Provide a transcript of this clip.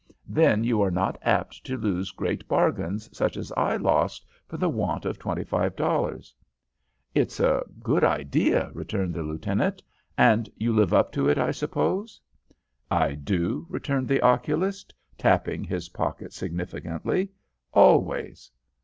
"Then you are not apt to lose great bargains such as I lost for the want of $25." "It's a good idea," returned the lieutenant. "And you live up to it, I suppose?" "I do," returned the oculist, tapping his pocket significantly. "Always!"